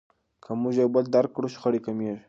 که موږ یو بل درک کړو شخړې کمیږي.